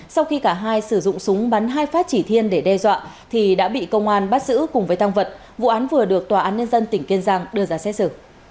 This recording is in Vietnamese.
sau khi cả hai sử dụng súng bắn hai phát chỉ thiên để đe dọa thì đã bị công an bắt giữ cùng với tăng vật vụ án vừa được tòa án nhân dân tỉnh kiên giang đưa ra xét xử